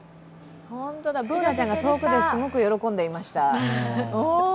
Ｂｏｏｎａちゃんが遠くですごく喜んでいました。